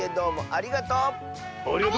ありがとう！